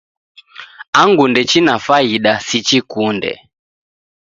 Angu ndechina faida sichikunde.